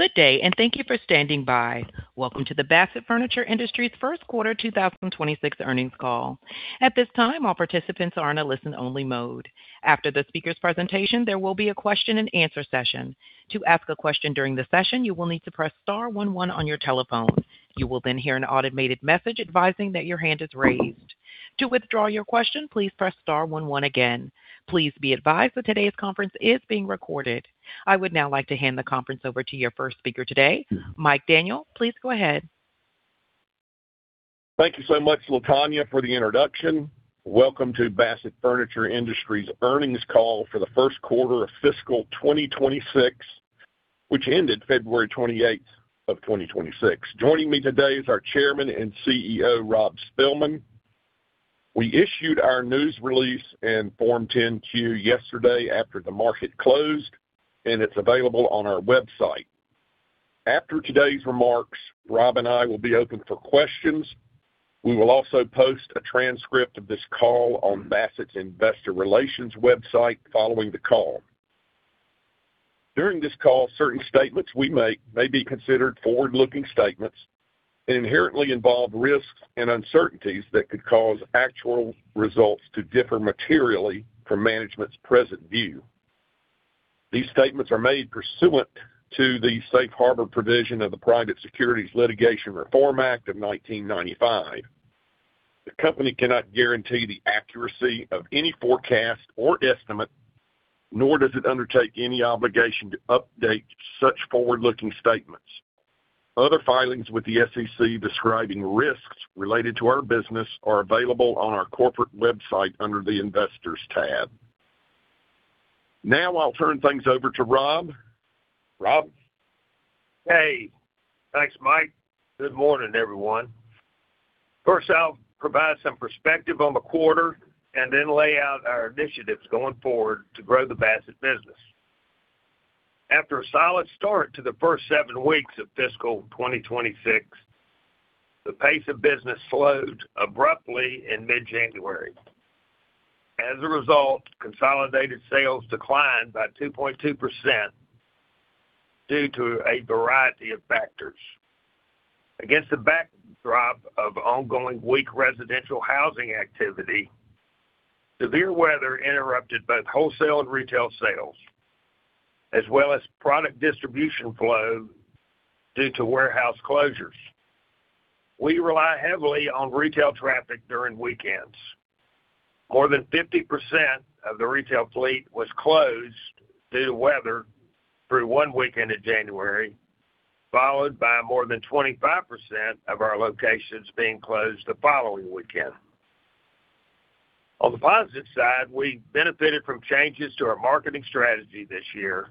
Good day, and thank you for standing by. Welcome to the Bassett Furniture Industries first quarter 2026 earnings call. At this time, all participants are in a listen-only mode. After the speaker's presentation, there will be a question-and-answer session. To ask a question during the session, you will need to press star one one on your telephone. You will then hear an automated message advising that your hand is raised. To withdraw your question, please press star one one again. Please be advised that today's conference is being recorded. I would now like to hand the conference over to your first speaker today, Mike Daniel. Please go ahead. Thank you so much, Latonya, for the introduction. Welcome to Bassett Furniture Industries earnings call for the first quarter of fiscal 2026, which ended February 28, 2026. Joining me today is our Chairman and CEO, Rob Spilman. We issued our news release and Form 10-Q yesterday after the market closed, and it's available on our website. After today's remarks, Rob and I will be open for questions. We will also post a transcript of this call on Bassett's Investor Relations website following the call. During this call, certain statements we make may be considered forward-looking statements and inherently involve risks and uncertainties that could cause actual results to differ materially from management's present view. These statements are made pursuant to the Safe Harbor Provision of the Private Securities Litigation Reform Act of 1995. The company cannot guarantee the accuracy of any forecast or estimate, nor does it undertake any obligation to update such forward-looking statements. Other filings with the SEC describing risks related to our business are available on our corporate website under the Investors tab. Now I'll turn things over to Rob. Rob? Hey, thanks, Mike. Good morning, everyone. First, I'll provide some perspective on the quarter and then lay out our initiatives going forward to grow the Bassett business. After a solid start to the first seven weeks of fiscal 2026, the pace of business slowed abruptly in mid-January. As a result, consolidated sales declined by 2.2% due to a variety of factors. Against the backdrop of ongoing weak residential housing activity, severe weather interrupted both wholesale and retail sales as well as product distribution flow due to warehouse closures. We rely heavily on retail traffic during weekends. More than 50% of the retail fleet was closed due to weather through one weekend in January, followed by more than 25% of our locations being closed the following weekend. On the positive side, we benefited from changes to our marketing strategy this year,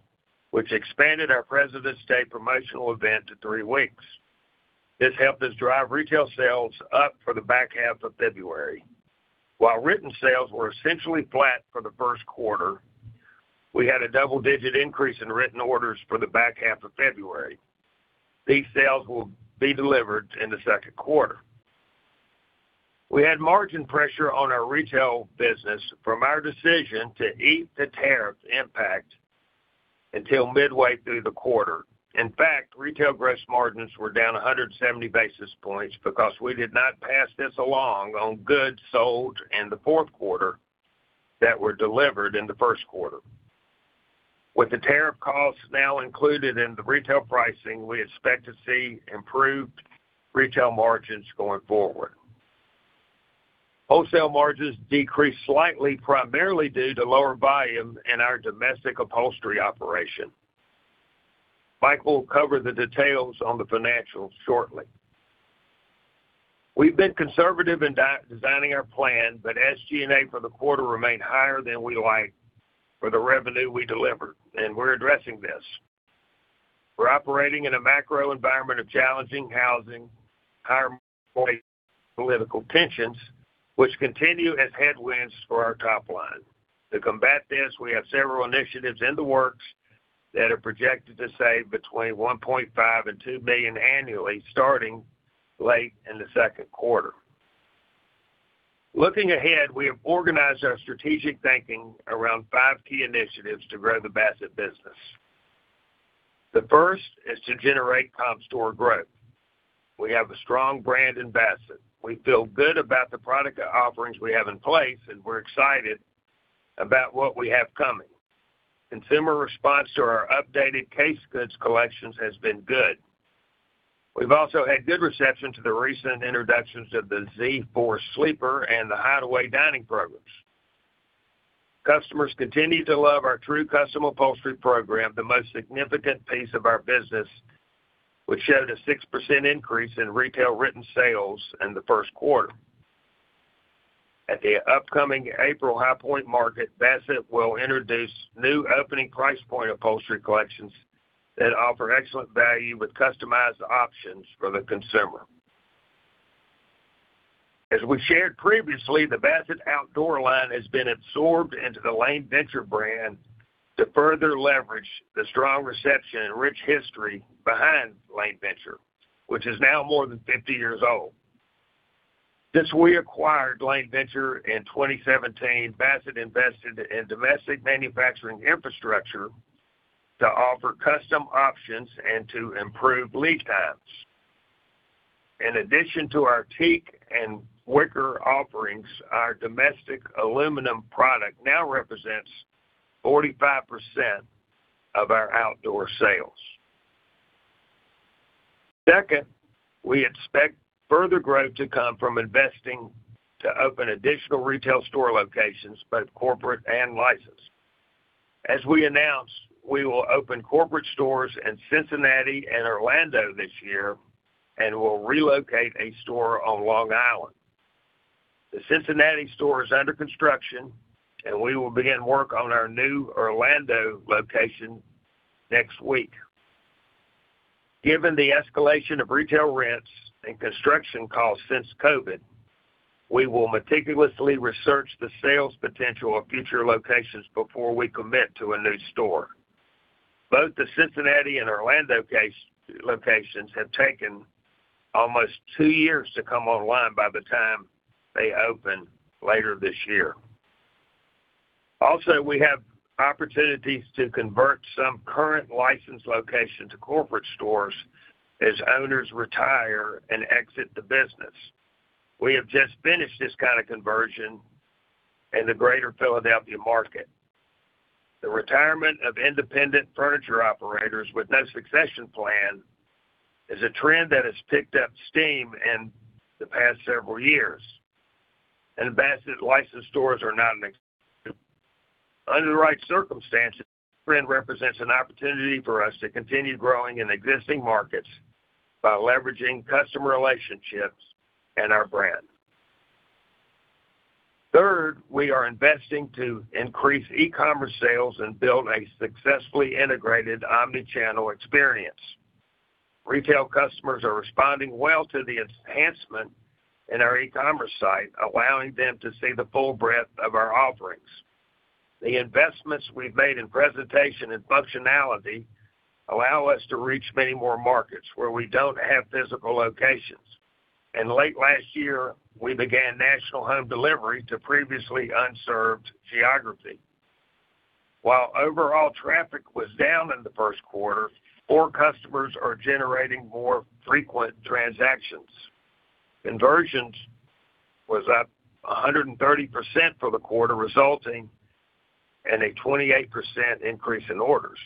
which expanded our Presidents' Day promotional event to three weeks. This helped us drive retail sales up for the back half of February. While written sales were essentially flat for the first quarter, we had a double-digit increase in written orders for the back half of February. These sales will be delivered in the second quarter. We had margin pressure on our retail business from our decision to eat the tariff impact until midway through the quarter. In fact, retail gross margins were down 170 basis points because we did not pass this along on goods sold in the fourth quarter that were delivered in the first quarter. With the tariff costs now included in the retail pricing, we expect to see improved retail margins going forward. Wholesale margins decreased slightly, primarily due to lower volume in our domestic upholstery operation. Mike will cover the details on the financials shortly. We've been conservative in designing our plan, but SG&A for the quarter remained higher than we like for the revenue we delivered, and we're addressing this. We're operating in a macro environment of challenging housing, higher employee, political tensions, which continue as headwinds for our top line. To combat this, we have several initiatives in the works that are projected to save between $1.5 million and $2 million annually starting late in the second quarter. Looking ahead, we have organized our strategic thinking around five key initiatives to grow the Bassett business. The first is to generate comp store growth. We have a strong brand in Bassett. We feel good about the product offerings we have in place, and we're excited about what we have coming. Consumer response to our updated case goods collections has been good. We've also had good reception to the recent introductions of the Z4 Sleeper and the HideAway dining programs. Customers continue to love our True Custom Upholstery program, the most significant piece of our business, which showed a 6% increase in retail written sales in the first quarter. At the upcoming April High Point Market, Bassett will introduce new opening price point upholstery collections that offer excellent value with customized options for the consumer. As we shared previously, the Bassett Outdoor line has been absorbed into the Lane Venture brand to further leverage the strong reception and rich history behind Lane Venture, which is now more than 50 years old. Since we acquired Lane Venture in 2017, Bassett invested in domestic manufacturing infrastructure to offer custom options and to improve lead times. In addition to our teak and wicker offerings, our domestic aluminum product now represents 45% of our outdoor sales. Second, we expect further growth to come from investing to open additional retail store locations, both corporate and licensed. As we announced, we will open corporate stores in Cincinnati and Orlando this year and will relocate a store on Long Island. The Cincinnati store is under construction and we will begin work on our new Orlando location next week. Given the escalation of retail rents and construction costs since COVID, we will meticulously research the sales potential of future locations before we commit to a new store. Both the Cincinnati and Orlando locations have taken almost two years to come online by the time they open later this year. Also, we have opportunities to convert some current licensed locations to corporate stores as owners retire and exit the business. We have just finished this kind of conversion in the Greater Philadelphia market. The retirement of independent furniture operators with no succession plan is a trend that has picked up steam in the past several years, and Bassett licensed stores are not an exception. Under the right circumstances, this trend represents an opportunity for us to continue growing in existing markets by leveraging customer relationships and our brand. Third, we are investing to increase e-commerce sales and build a successfully integrated omni-channel experience. Retail customers are responding well to the enhancement in our e-commerce site, allowing them to see the full breadth of our offerings. The investments we've made in presentation and functionality allow us to reach many more markets where we don't have physical locations. Late last year, we began national home delivery to previously unserved geography. While overall traffic was down in the first quarter, more customers are generating more frequent transactions. Conversions was up 130% for the quarter, resulting in a 28% increase in orders.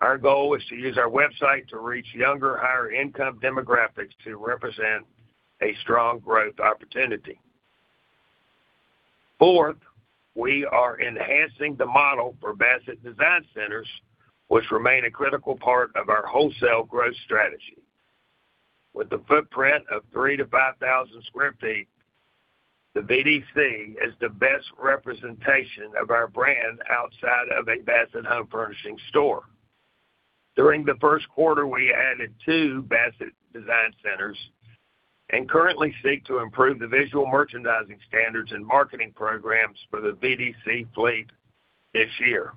Our goal is to use our website to reach younger, higher-income demographics who represent a strong growth opportunity. Fourth, we are enhancing the model for Bassett Design Centers, which remain a critical part of our wholesale growth strategy. With a footprint of 3,000 sq ft - 5,000 sq ft, the BDC is the best representation of our brand outside of a Bassett Home Furnishings store. During the first quarter, we added two Bassett Design Centers and currently seek to improve the visual merchandising standards and marketing programs for the BDC fleet this year.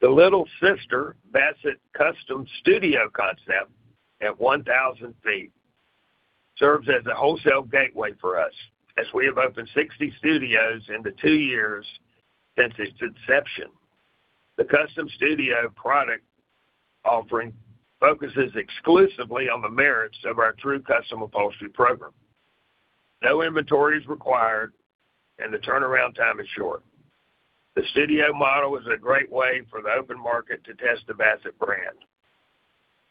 The little sister, Bassett Custom Studio concept at 1,000 sq ft, serves as a wholesale gateway for us as we have opened 60 studios in the two years since its inception. The custom studio product offering focuses exclusively on the merits of our True Custom Upholstery program. No inventory is required and the turnaround time is short. The studio model is a great way for the open market to test the Bassett brand.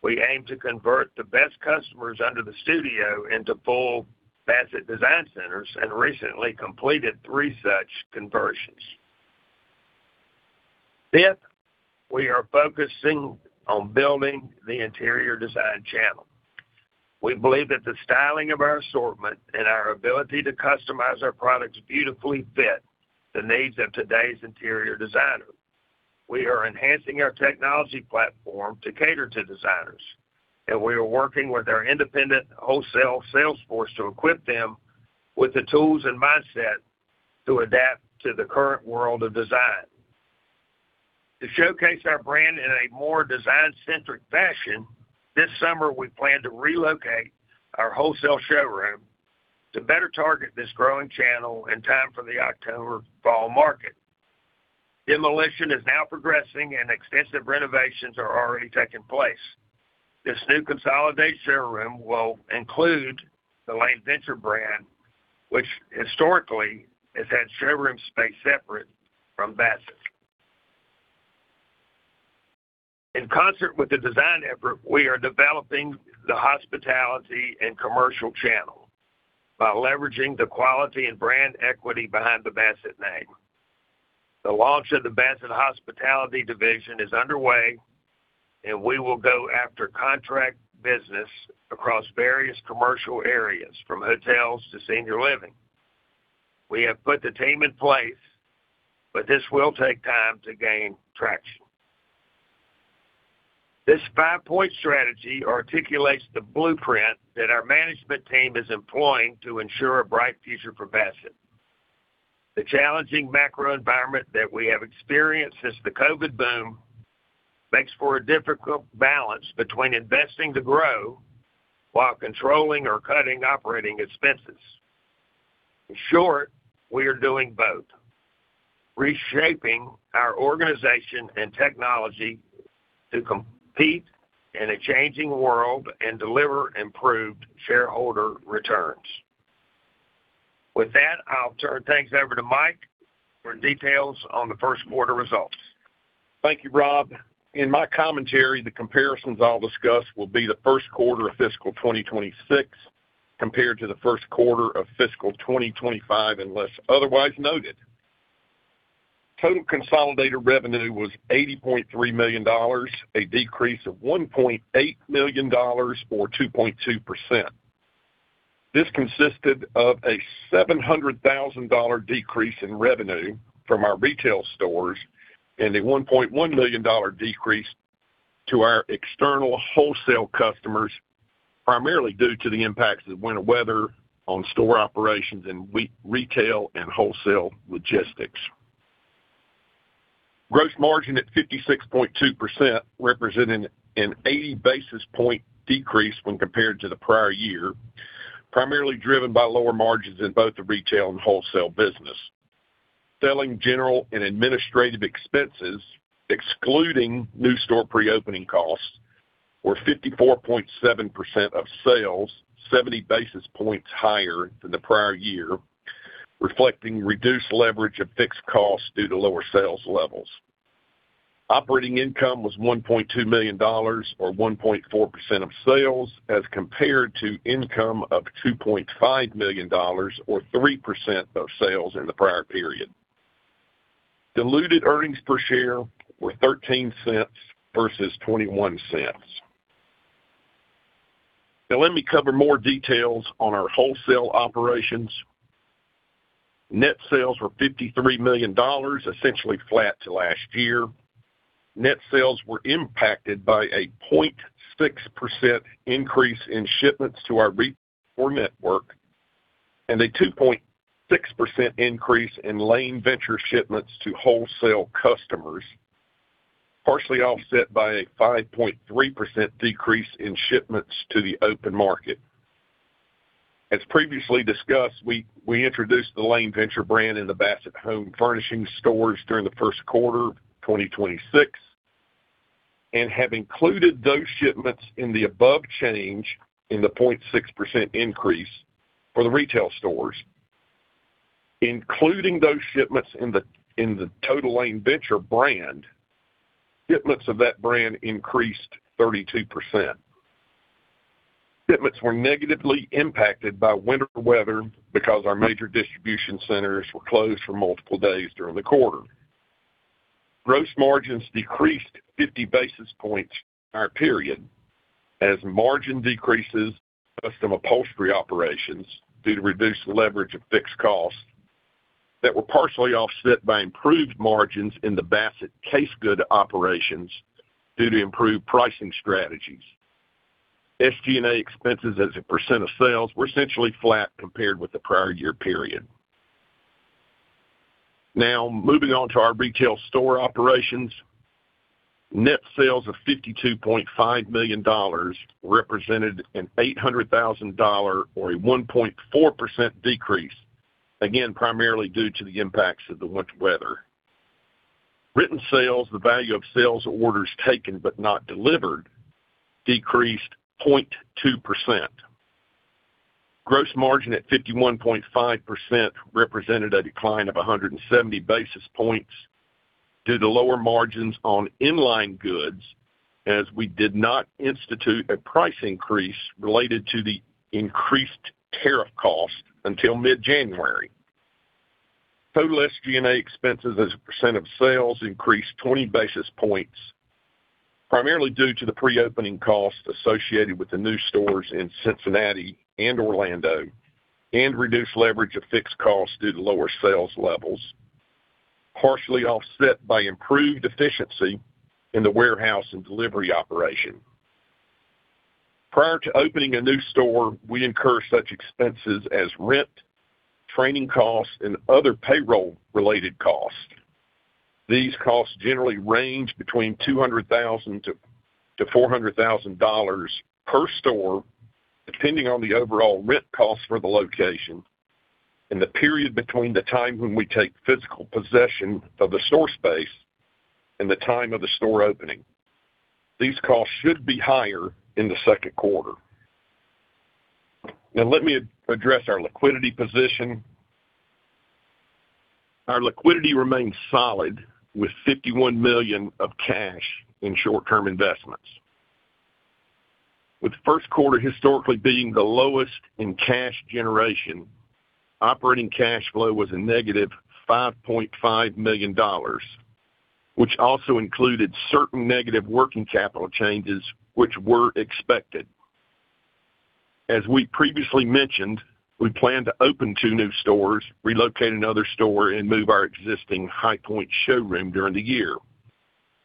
We aim to convert the best customers under the studio into full Bassett Design Centers and recently completed three such conversions. Fifth, we are focusing on building the interior design channel. We believe that the styling of our assortment and our ability to customize our products beautifully fit the needs of today's interior designer. We are enhancing our technology platform to cater to designers, and we are working with our independent wholesale sales force to equip them with the tools and mindset to adapt to the current world of design. To showcase our brand in a more design-centric fashion, this summer, we plan to relocate our wholesale showroom to better target this growing channel in time for the October Fall Market. Demolition is now progressing and extensive renovations are already taking place. This new consolidated showroom will include the Lane Venture brand, which historically has had showroom space separate from Bassett. In concert with the design effort, we are developing the hospitality and commercial channel by leveraging the quality and brand equity behind the Bassett name. The launch of the Bassett Hospitality division is underway, and we will go after contract business across various commercial areas from hotels to senior living. We have put the team in place, but this will take time to gain traction. This five-point strategy articulates the blueprint that our management team is employing to ensure a bright future for Bassett. The challenging macro environment that we have experienced since the COVID boom makes for a difficult balance between investing to grow while controlling or cutting operating expenses. In short, we are doing both, reshaping our organization and technology to compete in a changing world and deliver improved shareholder returns. With that, I'll turn things over to Mike for details on the first quarter results. Thank you, Rob. In my commentary, the comparisons I'll discuss will be the first quarter of fiscal 2026 compared to the first quarter of fiscal 2025, unless otherwise noted. Total consolidated revenue was $80.3 million, a decrease of $1.8 million or 2.2%. This consisted of a $700,000 decrease in revenue from our retail stores and a $1.1 million decrease to our external wholesale customers, primarily due to the impacts of winter weather on store operations and retail and wholesale logistics. Gross margin at 56.2%, representing an 80 basis point decrease when compared to the prior year, primarily driven by lower margins in both the retail and wholesale business. Selling, general and administrative expenses excluding new store pre-opening costs were 54.7% of sales, 70 basis points higher than the prior year, reflecting reduced leverage of fixed costs due to lower sales levels. Operating income was $1.2 million or 1.4% of sales as compared to income of $2.5 million or 3% of sales in the prior period. Diluted earnings per share were $0.13 versus $0.21. Now let me cover more details on our wholesale operations. Net sales were $53 million, essentially flat to last year. Net sales were impacted by a 0.6% increase in shipments to our retail core network and a 2.6% increase in Lane Venture shipments to wholesale customers, partially offset by a 5.3% decrease in shipments to the open market. As previously discussed, we introduced the Lane Venture brand in the Bassett Home Furnishings stores during the first quarter of 2026 and have included those shipments in the above change in the 0.6% increase for the retail stores. Including those shipments in the total Lane Venture brand, shipments of that brand increased 32%. Shipments were negatively impacted by winter weather because our major distribution centers were closed for multiple days during the quarter. Gross margins decreased 50 basis points in the period due to margin decreases in custom upholstery operations due to reduced leverage of fixed costs that were partially offset by improved margins in the Bassett case goods operations due to improved pricing strategies. SG&A expenses as a % of sales were essentially flat compared with the prior year period. Now, moving on to our retail store operations. Net sales of $52.5 million represented an $800,000 or a 1.4% decrease, again, primarily due to the impacts of the winter weather. Written sales, the value of sales orders taken but not delivered, decreased 0.2%. Gross margin at 51.5% represented a decline of 170 basis points due to lower margins on in-line goods, as we did not institute a price increase related to the increased tariff cost until mid-January. Total SG&A expenses as a percent of sales increased 20 basis points, primarily due to the pre-opening costs associated with the new stores in Cincinnati and Orlando and reduced leverage of fixed costs due to lower sales levels, partially offset by improved efficiency in the warehouse and delivery operation. Prior to opening a new store, we incur such expenses as rent, training costs and other payroll-related costs. These costs generally range between $200,000-$400,000 per store, depending on the overall rent cost for the location in the period between the time when we take physical possession of the store space and the time of the store opening. These costs should be higher in the second quarter. Now let me address our liquidity position. Our liquidity remains solid with $51 million of cash in short-term investments. With first quarter historically being the lowest in cash generation, operating cash flow was a -$5.5 million, which also included certain negative working capital changes which were expected. As we previously mentioned, we plan to open two new stores, relocate another store and move our existing High Point showroom during the year.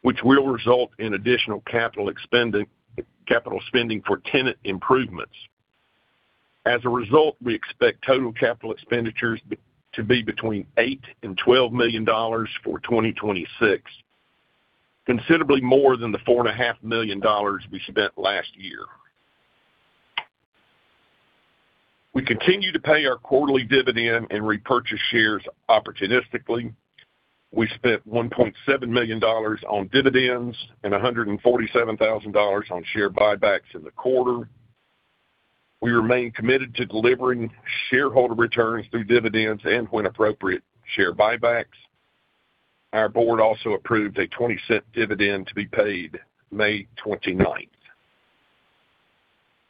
Which will result in additional capital spending for tenant improvements. As a result, we expect total capital expenditures to be between $8 million and $12 million for 2026. Considerably more than the $4.5 million we spent last year. We continue to pay our quarterly dividend and repurchase shares opportunistically. We spent $1.7 million on dividends and $147,000 on share buybacks in the quarter. We remain committed to delivering shareholder returns through dividends and, when appropriate, share buybacks. Our board also approved a $0.20 dividend to be paid May 29.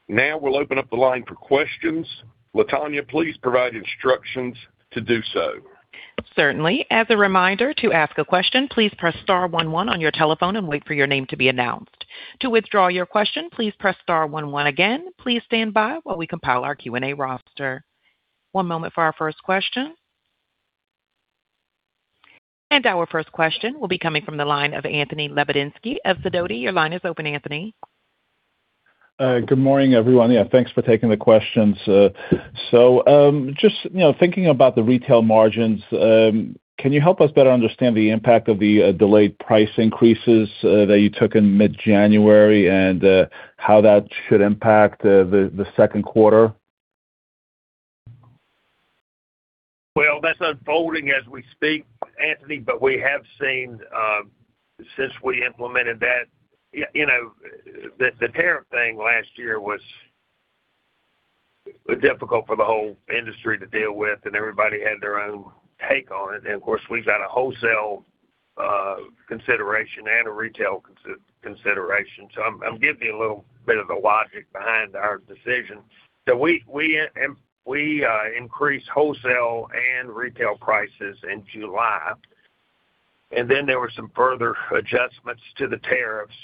Now we'll open up the line for questions. Latonya, please provide instructions to do so. Certainly. As a reminder, to ask a question, please press star one one on your telephone and wait for your name to be announced. To withdraw your question, please press star one one again. Please stand by while we compile our Q&A roster. One moment for our first question. Our first question will be coming from the line of Anthony Lebiedzinski of Sidoti. Your line is open, Anthony. Good morning, everyone. Yeah, thanks for taking the questions. Just, you know, thinking about the retail margins, can you help us better understand the impact of the delayed price increases that you took in mid-January and how that should impact the second quarter? Well, that's unfolding as we speak, Anthony, but we have seen since we implemented that. You know, the tariff thing last year was difficult for the whole industry to deal with, and everybody had their own take on it. Of course, we've got a wholesale consideration and a retail consideration. I'm giving you a little bit of the logic behind our decision. We increased wholesale and retail prices in July, and then there were some further adjustments to the tariffs.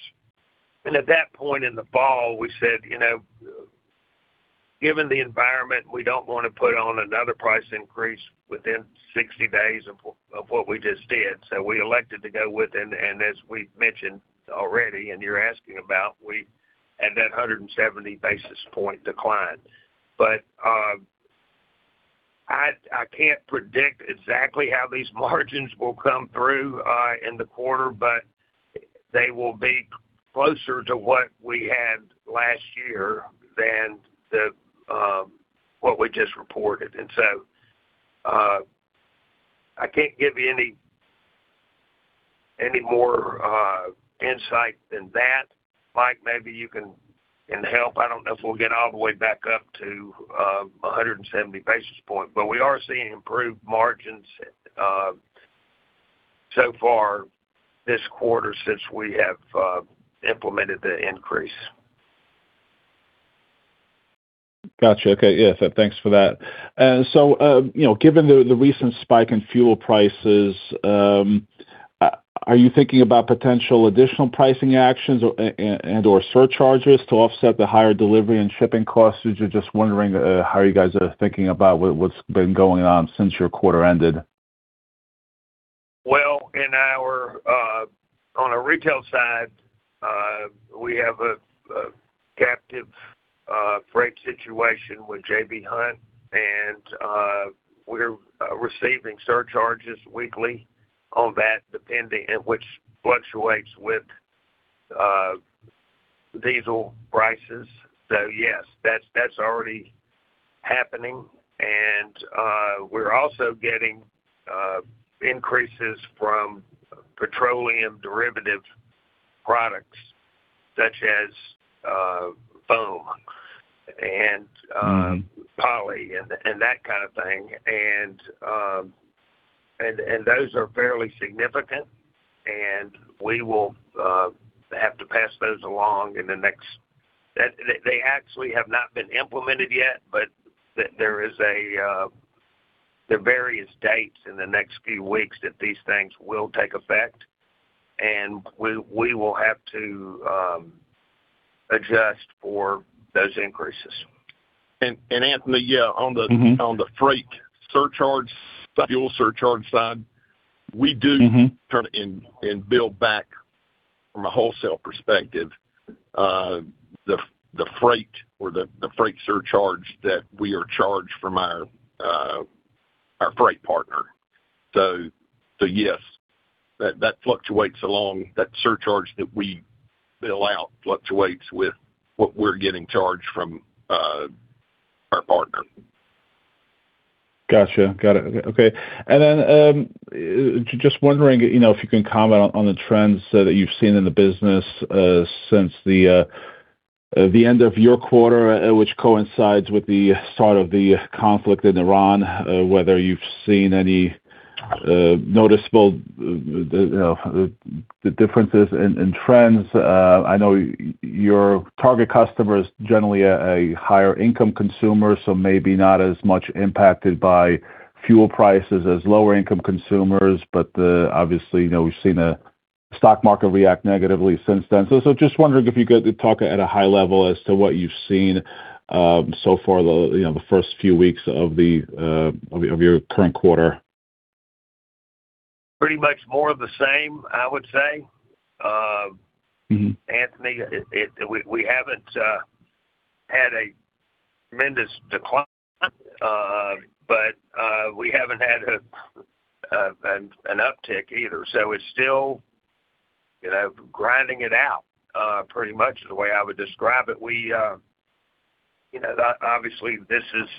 At that point in the fall, we said, you know, given the environment, we don't wanna put on another price increase within 60 days of what we just did. We elected to go with, and as we've mentioned already, and you're asking about, we had that 170 basis point decline. I can't predict exactly how these margins will come through in the quarter, but they will be closer to what we had last year than what we just reported. I can't give you any more insight than that. Mike, maybe you can help. I don't know if we'll get all the way back up to 170 basis points, but we are seeing improved margins so far this quarter since we have implemented the increase. Got you. Okay. Yeah, thanks for that. You know, given the recent spike in fuel prices, are you thinking about potential additional pricing actions and/or surcharges to offset the higher delivery and shipping costs? Just wondering, how you guys are thinking about what's been going on since your quarter ended. Well, on a retail side, we have a captive freight situation with J.B. Hunt, and we're receiving surcharges weekly on that, which fluctuates with diesel prices. Yes, that's already happening. We're also getting increases from petroleum derivative products such as foam and poly and that kind of thing. Those are fairly significant, and we will have to pass those along. They actually have not been implemented yet, but there are various dates in the next few weeks that these things will take effect, and we will have to adjust for those increases. Anthony, yeah, on the Mm-hmm. On the freight surcharge, fuel surcharge side. Mm-hmm. Try and build back from a wholesale perspective, the freight surcharge that we are charged from our freight partner. Yes, that fluctuates along. That surcharge that we bill out fluctuates with what we're getting charged from our partner. Gotcha. Got it. Okay. Just wondering, you know, if you can comment on the trends that you've seen in the business since the end of your quarter, which coincides with the start of the conflict in Ukraine, whether you've seen any noticeable differences in trends. I know your target customer is generally a higher income consumer, so maybe not as much impacted by fuel prices as lower income consumers, but obviously, you know, we've seen the stock market react negatively since then. Just wondering if you could talk at a high level as to what you've seen so far, you know, the first few weeks of your current quarter. Pretty much more of the same, I would say, Anthony. We haven't had a tremendous decline, but we haven't had an uptick either. It's still, you know, grinding it out, pretty much the way I would describe it. We, you know, obviously this is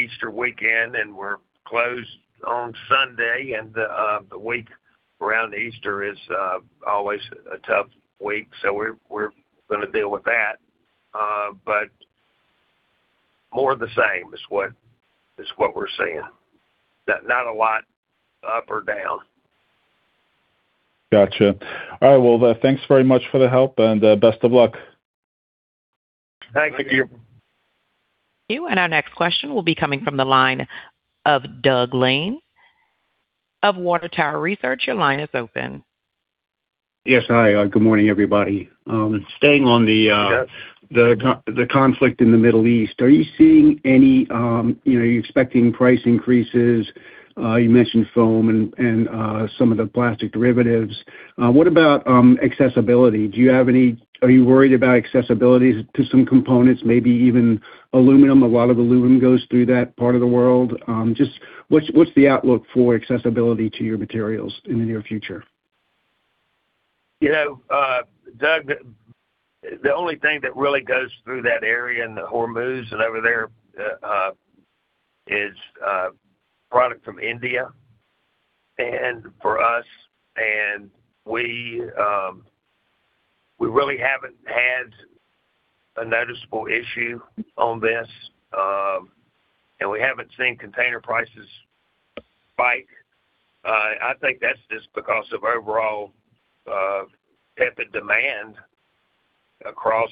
Easter weekend, and we're closed on Sunday, and the week around Easter is always a tough week, so we're gonna deal with that. More of the same is what we're seeing. Not a lot up or down. Gotcha. All right. Well, thanks very much for the help and best of luck. Thank you. Our next question will be coming from the line of Doug Lane. Your line is open. Yes. Hi. Good morning, everybody. Yes. The conflict in the Middle East, are you seeing any, you know, are you expecting price increases? You mentioned foam and some of the plastic derivatives. What about accessibility? Are you worried about accessibility to some components, maybe even aluminum? A lot of aluminum goes through that part of the world. Just what's the outlook for accessibility to your materials in the near future? You know, Doug, the only thing that really goes through that area in the Hormuz and over there is product from India and for us. We really haven't had a noticeable issue on this. We haven't seen container prices spike. I think that's just because of overall tepid demand across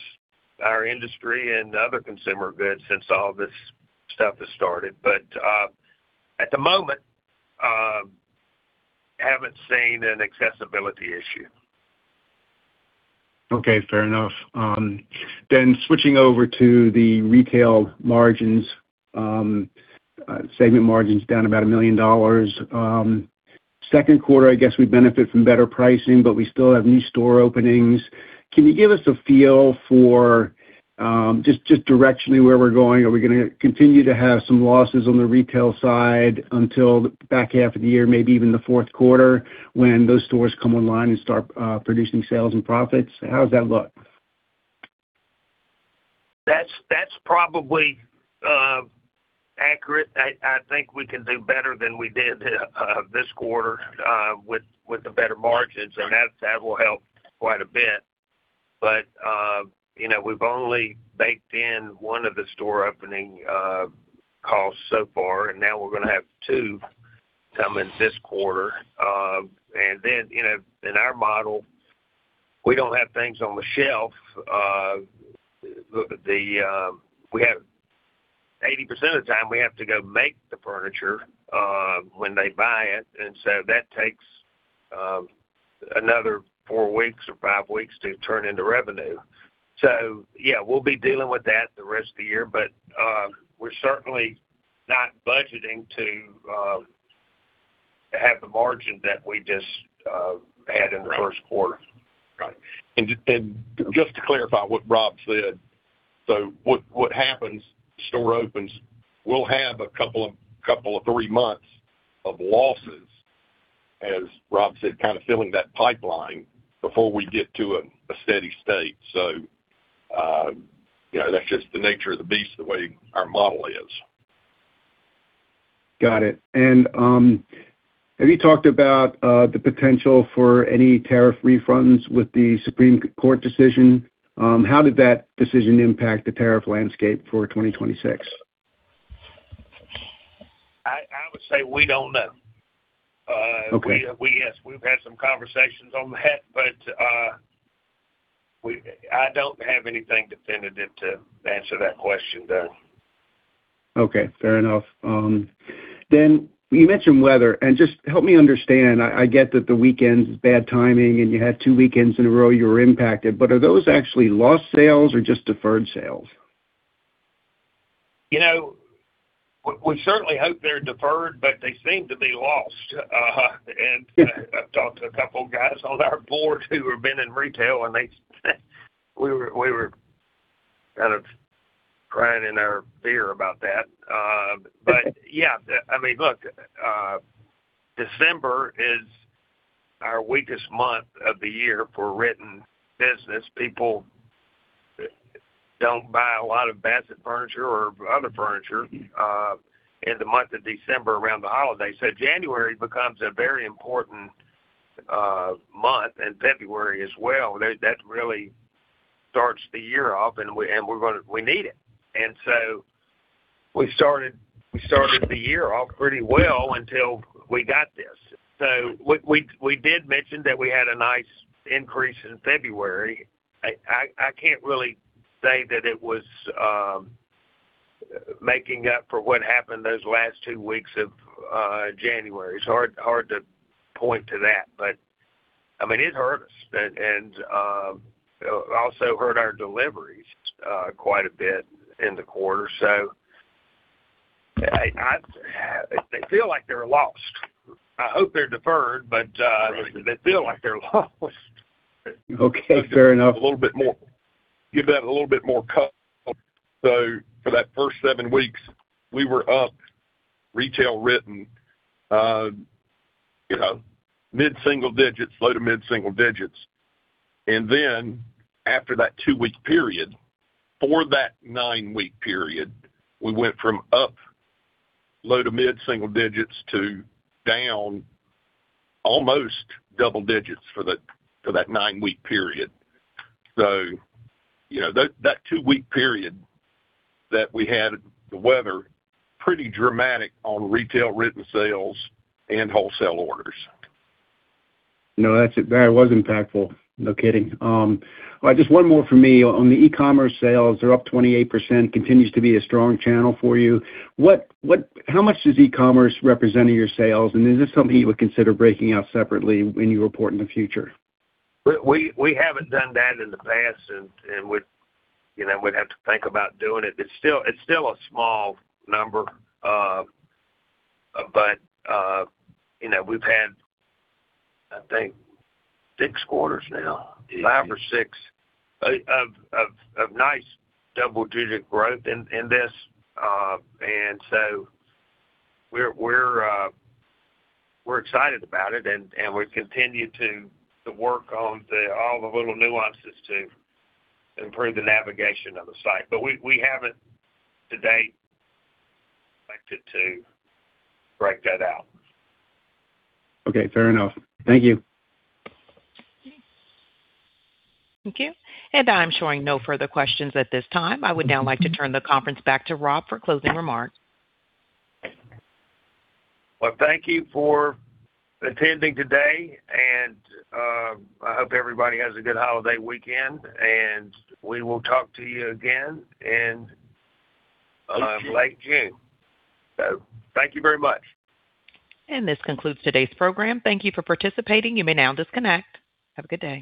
our industry and other consumer goods since all this stuff has started. We haven't seen an accessibility issue at the moment. Okay, fair enough. Switching over to the retail margins, segment margins down about $1 million. Second quarter, I guess we benefit from better pricing, but we still have new store openings. Can you give us a feel for, just directionally where we're going? Are we gonna continue to have some losses on the retail side until the back half of the year, maybe even the fourth quarter, when those stores come online and start producing sales and profits? How does that look? That's probably accurate. I think we can do better than we did this quarter with the better margins, and that will help quite a bit. You know, we've only baked in one of the store opening costs so far, and now we're gonna have two come in this quarter. You know, in our model, we don't have things on the shelf. We have 80% of the time, we have to go make the furniture when they buy it, and so that takes another four weeks or five weeks to turn into revenue. Yeah, we'll be dealing with that the rest of the year, but we're certainly not budgeting to have the margin that we just had in the first quarter. Right. Just to clarify what Rob said. What happens, store opens, we'll have a couple of three months of losses, as Rob said, kinda filling that pipeline before we get to a steady state. You know, that's just the nature of the beast, the way our model is. Got it. Have you talked about the potential for any tariff refunds with the Supreme Court decision? How did that decision impact the tariff landscape for 2026? I would say we don't know. Okay. Yes, we've had some conversations on that, but I don't have anything definitive to answer that question, Doug. Okay, fair enough. Then you mentioned weather, and just help me understand. I get that the weekend's bad timing and you had two weekends in a row you were impacted, but are those actually lost sales or just deferred sales? You know, we certainly hope they're deferred, but they seem to be lost. I've talked to a couple guys on our Board who have been in retail. We were kind of crying in our beer about that. Yeah, I mean, look, December is our weakest month of the year for written business. People don't buy a lot of Bassett furniture or other furniture in the month of December around the holidays. January becomes a very important month and February as well. That really starts the year off, and we need it. We started the year off pretty well until we got this. We did mention that we had a nice increase in February. I can't really say that it was making up for what happened those last two weeks of January. It's hard to point to that, but I mean, it hurt us and also hurt our deliveries quite a bit in the quarter. They feel like they're lost. I hope they're deferred, but they feel like they're lost. Okay, fair enough. A little bit more, give that a little bit more color. For that first seven weeks, we were up retail written, you know, mid-single digits, low to mid-single digits. After that two-week period, for that nine-week period, we went from up low to mid-single digits to down almost double digits for that nine-week period. You know, that two-week period that we had the weather, pretty dramatic on retail written sales and wholesale orders. No, that was impactful. No kidding. Just one more for me. On the e-commerce sales, they're up 28%, continues to be a strong channel for you. How much does e-commerce represent of your sales, and is this something you would consider breaking out separately when you report in the future? We haven't done that in the past and we'd, you know, have to think about doing it. It's still a small number. You know, we've had, I think, six quarters now, five or six, of nice double-digit growth in this. We're excited about it, and we continue to work on all the little nuances to improve the navigation of the site. We haven't to date elected to break that out. Okay, fair enough. Thank you. Thank you. I'm showing no further questions at this time. I would now like to turn the conference back to Rob for closing remarks. Well, thank you for attending today and I hope everybody has a good holiday weekend, and we will talk to you again in late June. Thank you very much. This concludes today's program. Thank you for participating. You may now disconnect. Have a good day.